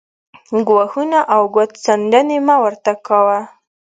ګواښونه او ګوت څنډنې مه ورته کاوه